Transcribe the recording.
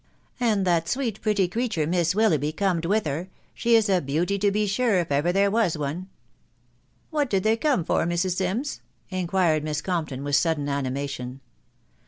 " And that sweet, pretty creature, Miss Willoughby, corned with her. ... She is a beauty, to be sure, if ever there was one." " What did they come for, Mrs. Sims ?" inquired Miss Compton with sudden animation.